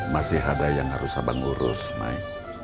masih ada yang harus abang ngurus mai